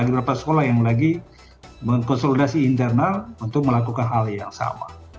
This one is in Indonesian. beberapa sekolah yang lagi mengkonsolidasi internal untuk melakukan hal yang sama